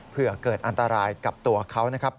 เพื่อเกิดอันตรายกับตัวเขานะครับ